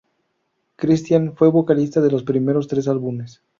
Christian fue vocalista de los primeros tres álbumes.